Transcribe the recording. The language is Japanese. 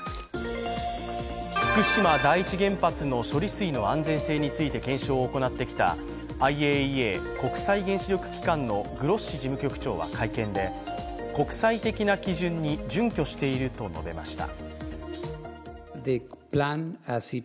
福島第一原発の処理水の安全性について検証を行ってきたＩＡＥＡ＝国際原子力機関のグロッシ事務局長は会見で国際的な基準に準拠していると述べました。